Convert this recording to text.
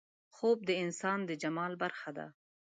خوب د انسان د جمال برخه ده